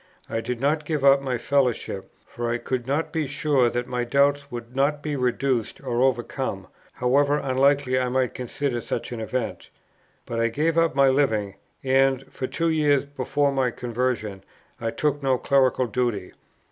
I did not give up my fellowship, for I could not be sure that my doubts would not be reduced or overcome, however unlikely I might consider such an event. But I gave up my living; and, for two years before my conversion, I took no clerical duty.